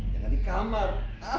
jangan di kamar